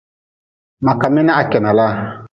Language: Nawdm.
Ma ka mi na ha kenan.